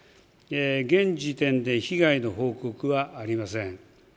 現時点で被害の報告はありません。